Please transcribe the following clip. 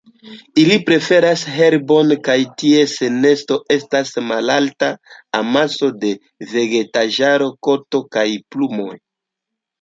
Ili preferas herbojn, kaj ties nesto estas malalta amaso de vegetaĵaro, koto kaj plumoj.